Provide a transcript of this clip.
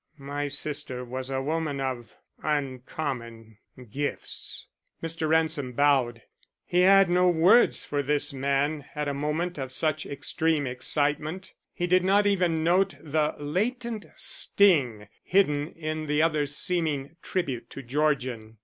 My sister was a woman of uncommon gifts." Mr. Ransom bowed. He had no words for this man at a moment of such extreme excitement. He did not even note the latent sting hidden in the other's seeming tribute to Georgian.